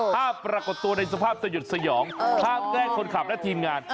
ปรากฏตัวในสภาพสยดสยองห้ามแกล้งคนขับและทีมงาน